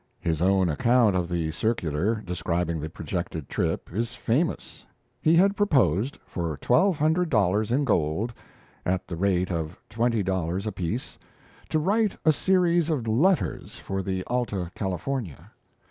His own account of the circular describing the projected trip is famous. He had proposed, for twelve hundred dollars in gold, at the rate of twenty dollars apiece, to write a series of letters for the 'Alta California'.